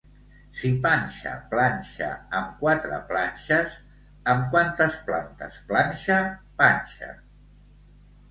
Si Panxa planxa amb quatre planxes, amb quantes planxes planxa Panxa?